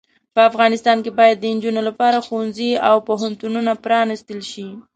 په افغانستان کې باید د انجونو لپاره ښوونځې او پوهنتونونه پرانستل شې.